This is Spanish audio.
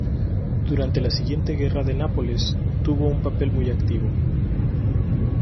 Durante la siguiente guerra de Nápoles tuvo un papel muy activo.